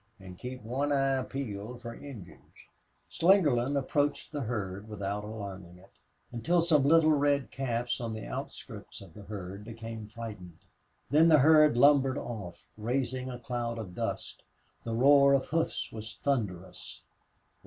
An' keep one eye peeled fer Injuns!" Slingerland approached the herd without alarming it, until some little red calves on the outskirts of the herd became frightened. Then the herd lumbered off, raising a cloud of dust. The roar of hoofs was thunderous.